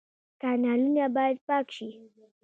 کانالونه باید پاک شي